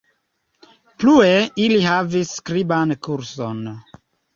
Plue, ili havis skriban kurson.